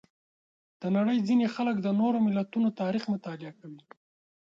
د نړۍ ځینې خلک د نورو ملتونو تاریخ مطالعه کوي.